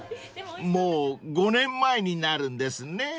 ［もう５年前になるんですね］